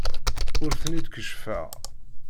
Ur ten-id-keccfeɣ.